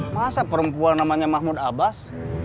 masa perempuan namanya mahmud abbas